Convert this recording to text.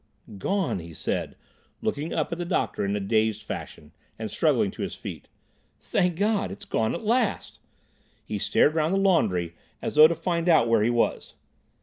"Gone!" he said, looking up at the doctor in a dazed fashion, and struggling to his feet. "Thank God! it's gone at last." He stared round the laundry as though to find out where he was.